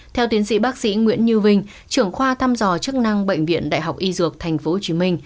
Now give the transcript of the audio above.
theo tiến sĩ bác sĩ nguyễn như vinh trưởng khoa thăm dò chức năng bệnh viện đại học y dược tp hcm